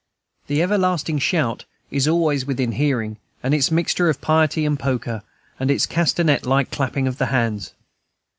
The everlasting "shout" is always within hearing, with its mixture of piety and polka, and its castanet like clapping of the hands.